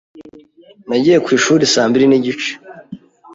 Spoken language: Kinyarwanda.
Nagiye ku ishuri saa mbiri nigice.